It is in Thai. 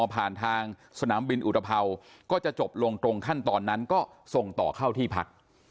สนามบินอุตภาวจะจบลงตรงขั้นตอนนั้นก็ส่งต่อเข้าที่พัก